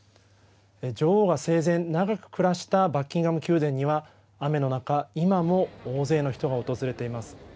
女王が生前、長く暮らしたバッキンガム宮殿には、雨の中、今も大勢の人が訪れています。